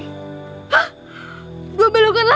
hah dua belokan lagi